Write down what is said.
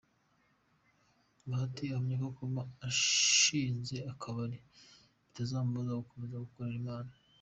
Bahati ahamya ko kuba ashinze akabari bitazamubuza gukomeza gukorera Imana.